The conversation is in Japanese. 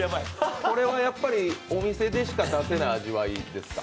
これはお店でしか出せない味わいですか。